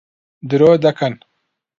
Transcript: درۆ دەکەن.